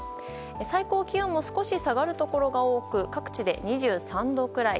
最高気温も少し下がるところが多く各地で２３度くらい。